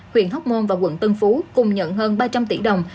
huyện hóc môn và quận tân phú cùng nhận hơn ba trăm linh tỷ đồng